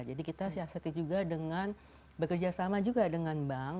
jadi kita siasati juga dengan bekerja sama juga dengan bank